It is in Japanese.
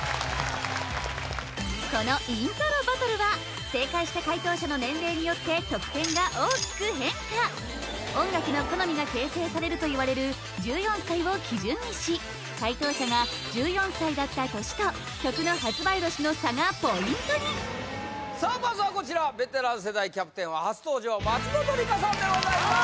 このイントロバトルは正解した解答者の年齢によって得点が大きく変化音楽の好みが形成されるといわれる１４歳を基準にし解答者が１４歳だった年と曲の発売年の差がポイントにさあまずはこちらベテラン世代キャプテンは初登場松本梨香さんでございます